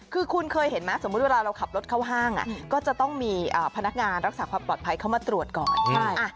คือคุณเคยเห็นไหมสมมุติเวลาเราขับรถเข้าห้างก็จะต้องมีพนักงานรักษาความปลอดภัยเข้ามาตรวจก่อน